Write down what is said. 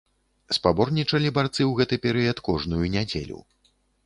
Спаборнічалі барцы ў гэты перыяд кожную нядзелю.